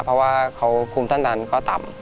เพราะว่าเขาคุมต้านต้ำ